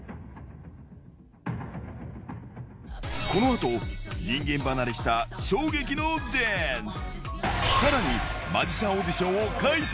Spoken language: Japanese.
このあと、人間離れした衝撃のダンス。